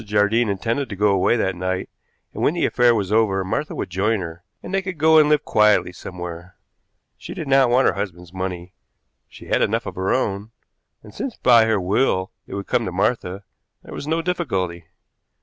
Jardine intended to go away that night, and when the affair was over Martha would join her, and they could go and live quietly somewhere. She did not want her husband's money she had enough of her own, and, since by her will it would come to Martha, there was no difficulty.